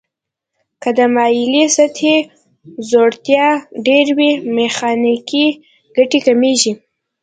که د مایلې سطحې ځوړتیا ډیر وي میخانیکي ګټه کمیږي.